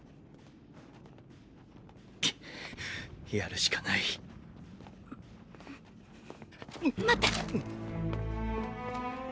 くッ戦るしかない。っ！！待って！